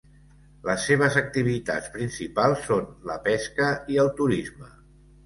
Les seves activitats principals són la pesca i el turisme.